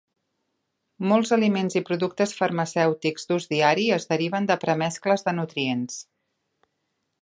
Molts aliments i productes farmacèutics d'ús diari es deriven de premescles de nutrients.